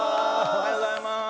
おはようございます。